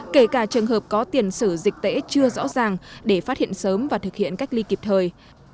kể cả trường hợp có tiền sử dịch tễ chưa rõ ràng để phát hiện sớm và thực hiện cách ly kịp thời